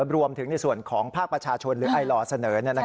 รวมถึงในส่วนของภาคประชาชนหรือไอลอร์เสนอ